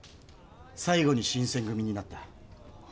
最後に新選組になった。